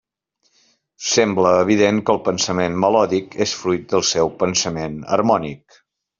Sembla evident que el pensament melòdic és fruit del seu pensament harmònic.